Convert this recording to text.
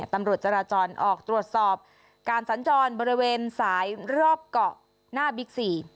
ตำรวจจราจรออกตรวจสอบการสัญจรบริเวณสายรอบเกาะหน้าบิ๊กซี